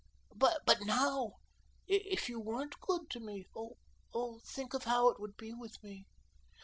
But NOW if you weren't good to me oh, think of how it would be with me.